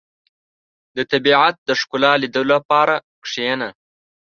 • د طبیعت د ښکلا لیدلو لپاره کښېنه.